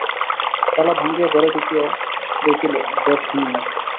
তালা ভাঙিয়া ঘরে ঢুকিয়া দেখিল, ঘর শূন্য।